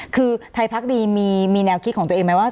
คือไทยพักดีมีแนวคิดของตัวเองไหมว่า